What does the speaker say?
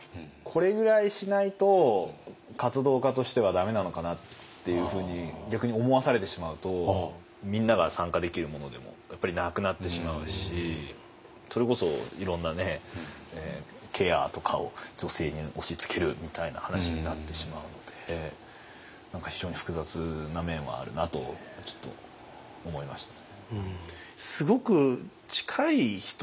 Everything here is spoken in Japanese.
これぐらいしないと活動家としてはダメなのかなっていうふうに逆に思わされてしまうとみんなが参加できるものでもやっぱりなくなってしまうしそれこそいろんなケアとかを女性に押しつけるみたいな話になってしまうので何か非常に複雑な面はあるなとちょっと思いましたね。